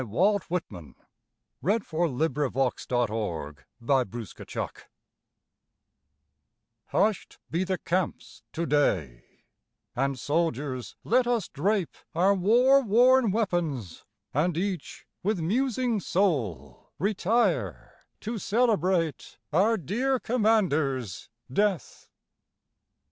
Walt Whitman (1865) Hush'd Be the Camps Today May 4, 1865 HUSH'D be the camps today, And soldiers let us drape our war worn weapons, And each with musing soul retire to celebrate, Our dear commander's death.